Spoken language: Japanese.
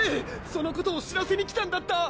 そのことを知らせに来たんだった！